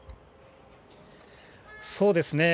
そうですね。